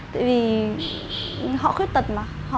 tại vì họ khuyết tật mà